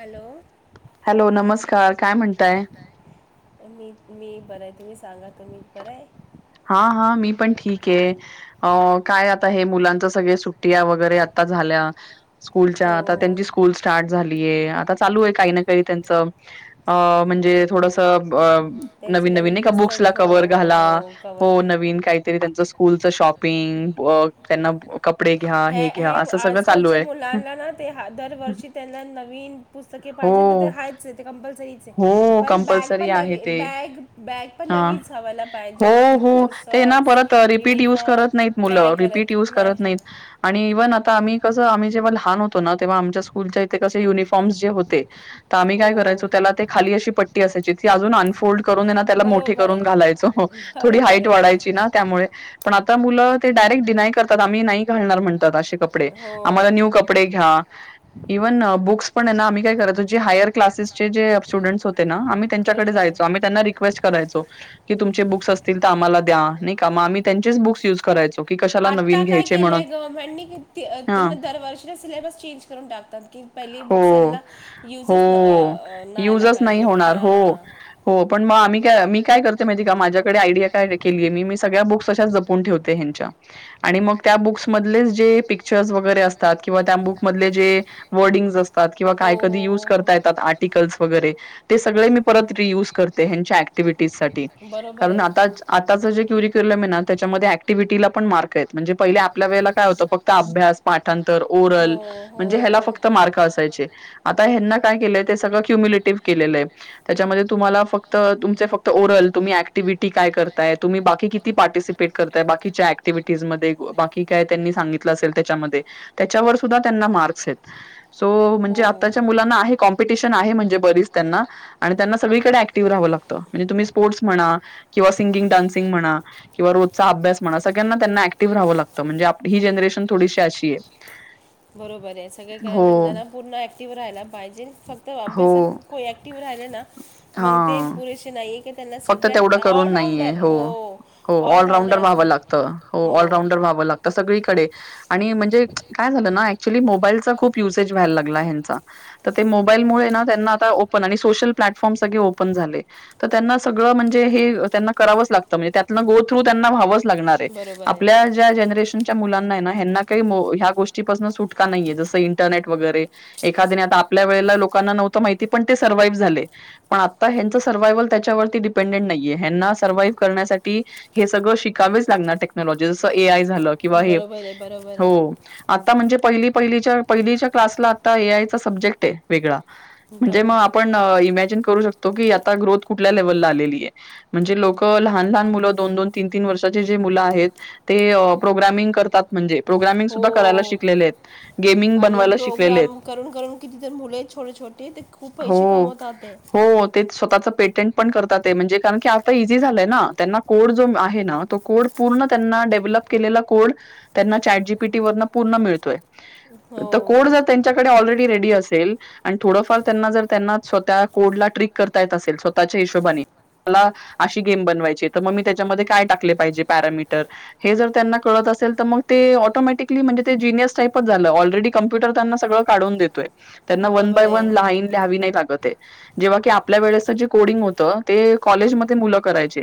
Hello.... hello नमस्कार काय म्हणताय..... मी मी बरं आहे तुम्ही सांगा तुम्ही बरं आहे- हा हा मी पण ठीक आहे अ काय आता हे मुलांच सगळे सुट्टीया वगैरे आता झाल्या स्कूलच्या आता त्यांची स्कूल स्टार्ट झालीय आता चालू आहे काही ना काही त्यांच अ म्हणजे थोडस नवीन नवीन ए बुक्सला कवर्ह घाला नवीन काहीतरी त्याच स्कूल च शॉपिंग वर्क त्यांना हे हे आजकालच्या मुलांना ना ते दरवर्षी त्यांना नवीन पुस्तके पाहिजे तर ते हायच आहे ते कंपल्सरीच आहे पण बॅग पण नवी बॅग बॅग पण नवी हवायला पाहिजे शू हो ते ना परत रिपीट यु करत नाहीत मुलं रिपीट य करत नाहीत आणि इव्हन आता आम्ही कसं आम्ही जेव्हा लहान होो तेव्हा आमच्या स्कूलच्या इथे कसे युनिफॉर्मचे होते तर आम्ही काय करायचं त्याला ते खाली अशी पट्टी असायची ती अजून अनफोल्ड करून त्याला मोठे करून घालायच हो त्यामुळे पण आता मूल ते डायरेक्ट डिनाय करतात आम्ही नाही घालणार म्हणताते कपडे आम्हाला न्यू कपडे घ्या इव्हन बुक्स पण ना आम्ही काय करतो जे हायर क्लासेसचेे स्टुडंट होते ना त्याचकडे जायचो त्यांना आम्ही रिक्वेस्ट करायचो की तुमचे बुक्स असतील तर आम्हाला द्या नाही कागमही त्यांचेुस य करायच की क आत्ता काय केलंय गव्हर्नमेंटनी किती त दरवर्षीला सिलेबस चेंज करून टाकतात की पहिली बुक् सनला युजच न आयला पाहिजे हा हो पण मग आम्ही काय मी काय करते माती का माझ्या डे आयडिया काय केलीय मी मी सगळ्या बुक्स तशच जपून ठेवते ह्यांच्या आणि मग त्या बुक्स मधलेच जे पिक्चर्स वगैरे असते असतात किंवा त्या बुक्स मधले जे वर्डिंग असतात किंवा काय कधी यूज करता येतात आर्टिकल्स ते सगळे मी परत री यूज करते ह्यांच्या अँक्टिव्हिटी साठी आताच जे क्युरी क्युल म ना त्याच्यामध्ये अऍक्टिव्हटीला पण मार्क आहेत म्हणजे पहिले आपल्या वेळेला काय होतं फक्त अभ्यास पाठांतर ओरल म्हणे ह्या फक्त मार्क असायचे आता ह्यांना काय केलंय ते सगळं क्युम्युलेटिव्ह केलेलं आहे त्याच्यामध्ये तुम्हाला फक्त तुम फक्त ओरल तुम्हीऍक् क्टिव्हटी काय करताय तम्ही बाकी किती पार्टिसिपेट करताय बाकीच्या क्टिव्हटीज ममध्ये बाकी काय त्यांनी सांगित असे त्याच्यामध्ये त्याच्यावर सुद्धा त्यांना मार्क्स आहेत सो म्हणजे आत्ताच्या मुलांना आहे कॉम्पिटिशन आहे म्हणजे बरीच त्यांना आणि त्यांना सगळीकडे क्टिव्हहावं लागतं म्हणजे तुम्ही स्पोर्ट्स म्हणा किंवा सिंगिंग डान्सिंग म्हणा किंवा रोजचा अभस म्हणा सगळ्यांना त्यांना ऍक्टिव्हहावं लागतं म्हणजे ही जनरेशन थोडीशी अशी आहे बरोबर आहे सगळे करना पूर्ण ऍक्टिव्ह राहायला पाहिजे फक्त अभ्यासात को ऍक्टिव्ह राहिलं ना मग ते पुरेसे नाहीई फक्त तेवढं करून नाहीये हो हो ऑलराऊंडर व्हावं लागत ऑलरांडर व्हावं लागत सगळीकडे आणि म्हणजे काय झालं ना ऍक्च्युली मोबाईलचा खूप युसेज व्हायला लागला हचा तर ते मोबाईलमुळे ना त्यांना आ ओपन आणि सोशल प्लॅटफॉर्म सगळे ओपन झाले तर त्यांना सगळ म्हणजे हे त्यांना करावच लागतं म्हणज त्यातलं गो थ्रू त्यांना व्हावच लागणार आपल्या जे मुंनाना काही ह गोष्टीपासून सुटका नाहीये जस इंटरनेट वगैरे एखाद्याने आता आपल्या वेळेला लोकांना नव्हतं माहिती पण ते सर्वाइव्ह झाले पण आता यांचं सर्ववायइवल त्याच्यावर ते डिपेंडंट नाही आहे. ह्यांना सरवाईव्ह करण्यासाठी हे सगळे शिकावेच लागणार लॉजी जसं ए आय झालं किंवा हे हो आता म्हणजे पहिली पहिलीच्या पहिलीच्या क्लासला आता ए आयचा सब्जेक्ट आहे. वेगळा म्हणजे मग आपण इमॅजिन करू शकतो, की आता ग्रोथ कुठल्या लेव्हलला आलेली आहे. म्हणजे लोक लहान लहान मुलं दोन दोन, तीन तीन वर्षाचे जे मुलं आहेत ते प्रोग्रामिंग करतात. हो आणि प्रोग्राम करून करून कितीतर मुले छोटे छोटे ते ते खूप पैसे कमवतात. हो ते स्वतःचं पेटंट पण म्हणजे कारण की आता इझी झालाय ना त्यां कोड जो आहे ना तो कोड पूर्ण त्यांना डेव्हलप केलेला कोड त्यांना चाट जीपीटी वरून पूर्ण मिळतोय तो कोड जर त्यांनी त्यांच्याकडे ऑलरेडी रेडी असेल आणि थोडं फार तर त्यांना त्यांना स्वतः ट्रिक करता येत असेल च्या हिशोबाने मला अशी गेम बनवायची तर, मग मी त्याच्यामध्ये काय टाकले पाहिजे पॅरामीटर हे जर त्यांना कळत असेल तर मग ते ऑटोमॅटिकली म्हणजे ते जिनियस टाईपच झालं ऑलरेडी कमप्युटर त्यांना सगळ काढून देतोय. त्यांना वन बाय वन लाईन लिहावी नाही लागत जेव्हा की आपल्या वेळेस जे कोडिंग होत ते कॉलेज मध्ये मुलं करायचे.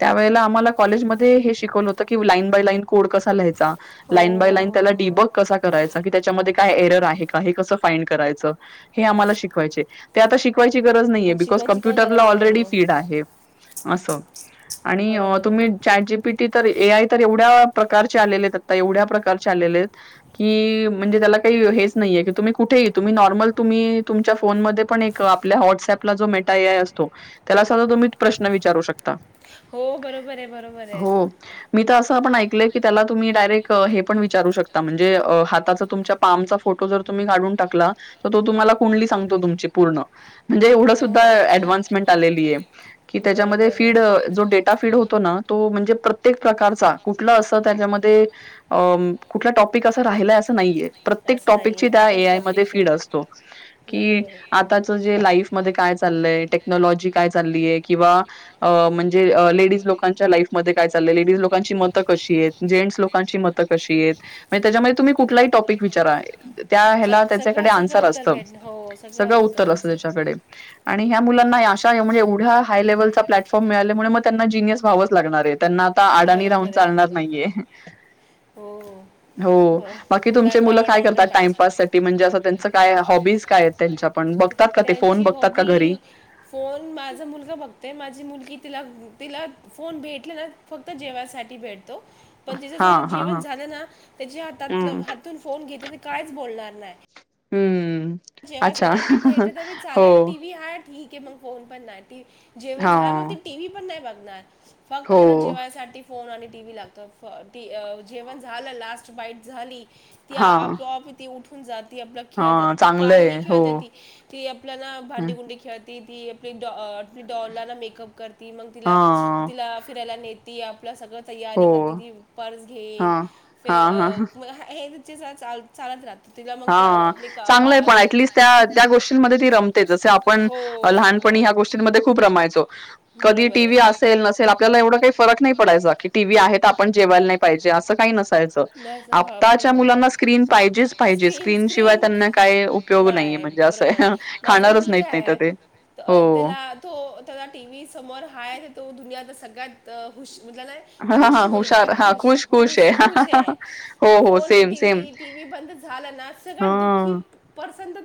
त्यावेेळेला आम्हाला कॉलेजमध्ये हे शिकवलं होतं की लाईन बाय लाईन कोड कसा लिहायचा. लाईन बाय लाईन त्याला डिबक कसा करायचा, की त्याच्यामध्ये काय एरर आहे का हे कसं फाइंड करायचं? हे आम्हाला शिकवायचे ते आता शिकवायची गरज नाहीये बिकॉज कम्प्युटरला ऑलरेडी फीड आहे. आहे असं आणि तुम्ही चार जी पीटी तर ए आय तर एवढ्या प्रकारचे आलेले आहेत, आता एवढ्या प्रकारचे आलेले आहेत. की म्हणजे त्याला काही हेच नाहीये की, तुम्ही कुठेही तुम्ही नॉर्मल तुम्ही तुमच्या फोन मध्ये पण एक आपल्या व्हॉट्सपला जो मेटा एआय असतो त्याला सगळं तुम्ही प्रश्न विचारू शकता. हो बरोबर आहे बरोबर आहे. मी तर असं पण ऐकलंय की त्याला तुम्ही डायरेक्ट हे पण विचारू शकता म्हणजे हाताच तुमच्या आमचा फोटो जर तुम्ही काढून टाकला तो तुम्हाला कुंडली सांगतो तुमची पूर्ण म्हणजे एवढं सुद्धा अडव्हान्समेंट आलेली आहे, की त्याच्यामध्ये फीड जो डेटा फीड होतो ना तो म्हणजे प्रत्येक प्रकारचा कुठला असं त्याच्यामध्ये अ कुठला टॉपिक असं राहिलाय असं नाहीये. प्रत्येक टॉपिकची त्या एआय मध्ये फीड असतो, की आताच जे लाईफमध्ये काय चालय टेक्नॉलॉजी काय चाललीय किंवा अ म्हणजे लेडीज लोकांच्या लाईफमध्ये काय चाललंय लेडीज लोकांची मतं कशी आहेत. जेंट्स लोकांची मतं कशी आहेत, मग त्याच्यामध्ये तुम्ही कुठलाही टॉपिक विचारा त्या ह्याला त्याच्याकडे आन्सर असत, सगळं उत्तर असत त्याच्याकडे. आणि ह्या मुलांना अशा म्हणजे एवढ्या हाय लेवलचा प्लॅटफॉर्म मिळाल्यामुळे मग त्यांना जिनियस व्हावंच लागणार आहे. त्यांना आता अडाणी राहून चालणार नाहीये. हो बाकी तुमचे मुलं काय करतात टाइमपास म्हणजे त्यां काय हॉबीज काय आहेत? त्यांच्या पण बघतात का ते फोन बघ मी फोन माझा मुलगा बघते, माझी मुलगी तिला तिला फोन भेटले ना फक्त जेवासाठी भेटतो. पण जीचं जर जेवण झालं ना त्याच्या हातातलं हातून फोन घेते ते कायच बोलणार नाही. हम्म. जेव्हा भेट तर मी चालेल टीव्ही आहे ठीक आहे मग फोन पण नाही जेवण झालं ना मग ती टीव्ही पण नाही बघणार फक्त तिला जेवायसाठी फोन आणि टीव्ही लागत जेवण झालं लास्ट बाईट झाली ती आपोआप ती उठून जाती आपला खेळत ती काही खेळती ती ते आपल्याला भांडेगुंडी खेळ ती आपली डॉला ना मेकअप करती मग तिला तिला फिरायला नेती आपलं सगळं तयारी करते ती पर्स घेईन फेर मग हे ल चालत राहत तिला मग त्या आपली बा ली त्या त्या गोष्टींमध्ये ती रमते जस आपण लहानपणी ह गोष्टींमध्ये खूप रमायचो. कधी टीव्ही असेल नसेल आपल्याला एवढा काही फरक नाही पडायचा की टीव्ही आहे आपण जेवायला नाही पाहिजे असं काही नसायचं, मु [inaudible] नाही बरोबर आहे माझा मुलगा आहे त्याला तो त्याला टी व्ही समोर हा आहे तर तो दुनियात सगळ्यात हुश म्हटलं नाही. खुश मुलगा खुश खुश खुश है phone, T V T V बंद झालं ना सगळ्या दुखी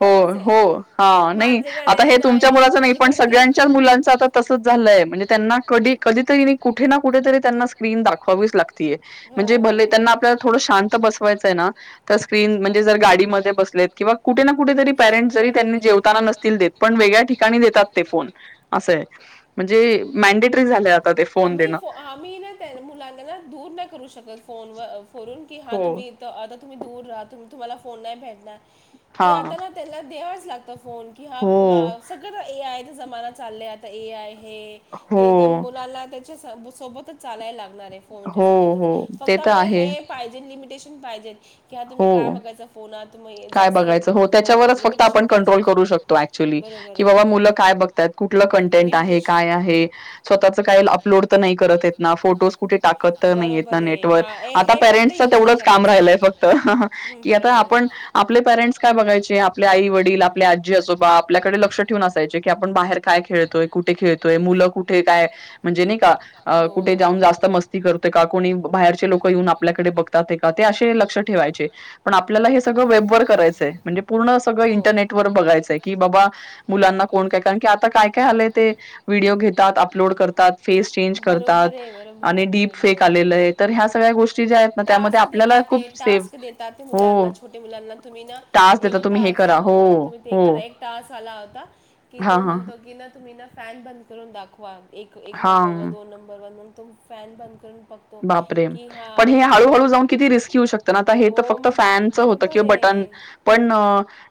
हो हो हा नाही आता हे तुमच्या मुलाच नाही पण सगळ्यांच्या मुलांच आ तसच झालंय म्हणजे त्यांना कधी कधीतरी कुठे ना कुठे तरी त्यांना स्क्रीन दाखवावीच लागतीय. म्हणजे भले त्यांना आपल्याला थोडं शांत बसवायचंय ना, तर स्क्रीन म्हणजे जर गाडीमध्ये बसलेत किंवा कुठे ना कुठेेतरी पेरेंट्स जरी त्यांनी जेवताना नसतील देत पण वेगळ्या ठिकाणी देतात ते फोन असंय म्हणजे मॅडेटरी झालं आता ते फोन देणं. आम्ही ना त्या मुलांनाना दूर नाही करू शकत फोनवर फोरून की हा तुम्ही आता तुम्ही दूर राहा तुम्हाला फोन नाही भेटणार आता त्या दच लागत फोन की हा पुन्हा सगळं तर ए आयचा जमाना चालला आहे आता ए आय आहे. ते तर मुलांना त्याच्या सोबतच चालायला लागणार आहे. कोच्या सोबतच फक्त आपल्याला हे पाहिजे लिमिटेशन पाहिजे. कि ह तुम्ही काय बघायचा फोन आ त जास्त हो लिमिटेशन पाहिजे. ली क बा मुलं काय ब कुठ कंटेंट आहे काय [inaudible] स् अो [inaudible] कुठे टाकत तर नाही ना नेटवर्क आता पेरेंट्सच तेवढंच काम राहिलंय फक्त कि आता आपण आपले पेरेंट्स काय बघायचे आपले आई वडील आपली आजी आजोबा आपल्याकडे लक्ष ठेवून असायचे की आपण बाहेर काय खेळतोय, कुठे खेळतोय, मुलं कुठे काय म्हणजे नाही का कुठे जाऊन जास्त मस्त करतय का कोणी बाहेरचे लोक येऊन आपल्याकडे बघतात ते का ते असे लक्ष ठेवायचे. पण आपल्याला हे सगळं वेब वर करायचंय म्हणजे पूर्ण सगळं इंटरनेट वर बघायचंय की बाबा मुलांना कोण काय कारण की आता काय काय आलंय ते व्हिडिओ घेतात अपलोड करतात. फेस चेंज करतात आणि डीप फेक आलेल आहे तर ह्या सगळ्या गोष्टी ज्या आहेत ना त्यामध्ये आपल्याला खूप टास्कता ते मुला छोटे मुलाना तुम्ही ना, एक त हो तुम्ही ते करा एक तस् आला होता की तो म्हणतो, तुम्ही ना फॅन बंद करून दाखवा एक नंर नंबर वन त फॅन बंद करून प बापरेम पण हे हळूहळू जाऊन किती रिस्क होऊ शकत ना आता हे तर फक्त फॅनचं होतं किंवा बटन पण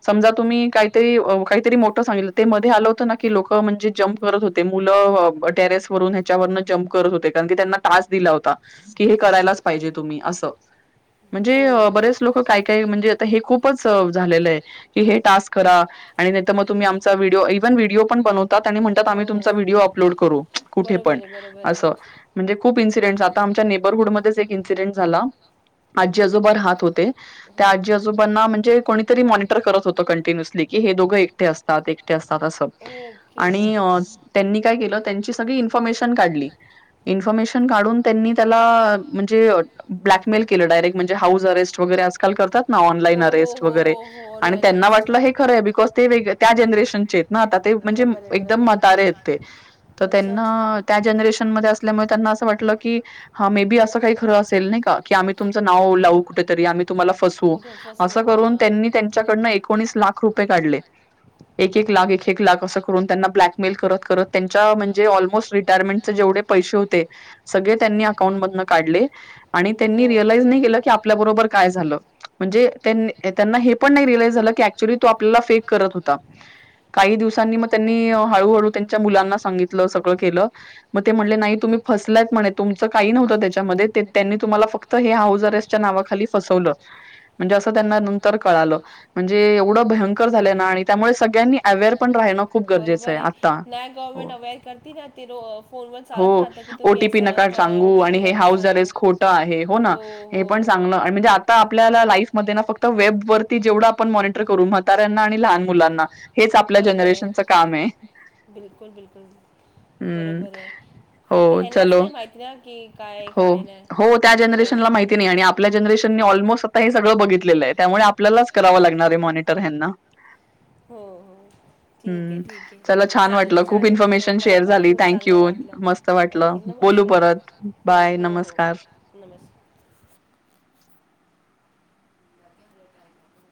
समजा तुम्ही काहीतरी काहीतरी मोठं सांगितलं ते मध्ये आलं होतं ना की लोक म्हणजे जमप, करत होते मुलं टेरेस वरून ह्याच्यावरन जमप करत होते कारण की त्यांना तास दिला होता. हे कयलाच पाजे तुम् अस म्हणजे ब लोक काय काय म्हणजेता हे खूपच झालेलं आहे. ि हे टास्क करा आणि नाही मग तुम्ही आमचा व्हिडओ इव्हिडओ पण बन म्हणातम्ही तुम व्हडओ अपोड करू कुठे पण अस म्हणे खप इ् नेबरहुडमध्येध्येच एक इन्सिडेंट झाला आजी आजोबर हात होते त्या आजी आजोबांना म्हणजे कोणीतरी मॉनटर करत होत कंटिन्युअसली की हे दोघं एकटे असतात. त्यांनी काय के त्यां इन्फॉर्मेशन काढली इन्फॉर्मेशन काढून त्यांनी त्या म्हणजे ब्लॅमेल केलं डायरेट म्हणजे हाऊस अरेट वगैरे आजल करतात ना ऑनलाईन अरेट वगैरे आणि त्यांना वाटलं हे खरं आहे बिकॉज ते वेग त्या जनरेशनचे आहेत ना आता ते म्हणजे एकदम मतारे आहेत ते तर त्यांना त्या जनरेशन मध्ये असल्यामुळे त्यांना अस वाट क हा मे बी असं काही खरं असेल नाही का की आम्ही तुमचं नाव लाू कुठेतरी आम तुम्हाला फसवू अस करून त्यांनी त्यांच्याकडन एकोणीस लाख रुपये काढले. एक एक लाख, एक एक लाख असं करून त्यांना ब्लॅकमेल करत करत त्यांच्या म्हणजे ऑलमोस्ट रिटायरमेंटचे जेवढे- पैसे होते. सगळे त्यांनी अकाउंटमधन काढले आणि त्यांनी रिअलाईझ नाही केलं की - आपल्याबरोबर काय झालं? म्हणजे, त्यां त्यांना हे पण नाही रिअलाईझ झालं की ऍकच्युली तो आपल्याला फेक करत होता. काही दिवसांनी म त्यांनी हळूहळू त्यांच्या मुलांना सांगितलं. सगळं केलं- मग ते म्हणले नाही तुम्ही फस - लायत म्हणे. तुमच काही नव्हतं त्याच्यामध्ये, त्यांनी तुम्हाला फक्त हे हाऊजरेस्टच्या नावाखाली फसवलं. म्हणजे असं त्यांना नंतर कळालं. म्हणजे एवढं भयंकर झालंय ना आणि त्यामुळे सगळ्यांनी अवेअर पण राहण - बरोबर आहे. नाही गव्हर्नमेंट अवेअर करती ना. ते फोन वर चालत राहत कि- ओटी पी नका सांगू आणि हे हाऊज अ रेस खोटं आहे. हो ना हे पण सांगणं म्हणजे- आता आपल्याला लाईफ मध्ये ना फक्त वेब वरती जेवढं आपण मॉनिटर करू म्हाताऱ्यांना आणि लहान मुलांना- हेच आपल्या जनरेशनचं काम आहे. हम्म. हो चलो. हो. हो त्या जनरेशनला माहिती - आपल्या जनरेशननी ऑलमोस्ट आता हे सगळं बघितलेलं आहे. त्यामुळे आपल्यालाच करावं लागणार आहे मॉनिटर ह्यांना. हो हो. हम्. चला छान वाटलं खूप इन्फॉर्मेशन शेअर झाली. थँक यू मस्त वाटलं. बोलू परत. बाय नमस्कार. नमस्कार.